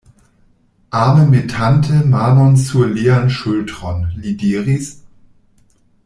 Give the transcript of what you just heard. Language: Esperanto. Ame metante manon sur lian ŝultron, li diris: